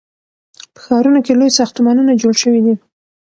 په ښارونو کې لوی ساختمانونه جوړ شوي دي.